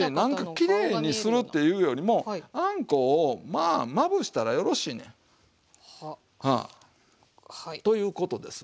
きれいにするっていうよりもあんこをまぶしたらよろしいねん。ということですわ。